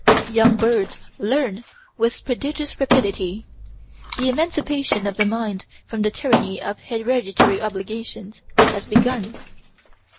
Young birds learn with prodigious rapidity; the emancipation of the mind from the tyranny of hereditary obligations has begun.